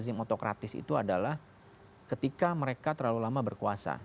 rezim otokratis itu adalah ketika mereka terlalu lama berkuasa